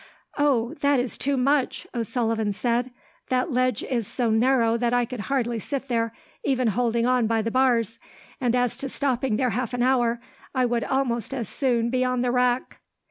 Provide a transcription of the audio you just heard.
"Oh, that is too much!" O'Sullivan said. "That ledge is so narrow that I could hardly sit there, even holding on by the bars; and as to stopping there half an hour, I would almost as soon be on the rack."